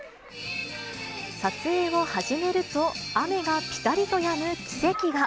撮影を始めると、雨がぴたりとやむ奇跡が。